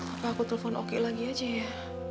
apa aku telepon oke lagi aja ya